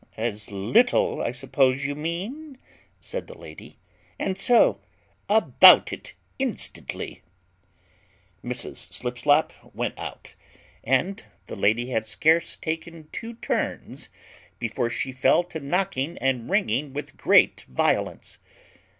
"As little, I suppose you mean," said the lady; "and so about it instantly." Mrs. Slipslop went out, and the lady had scarce taken two turns before she fell to knocking and ringing with great violence.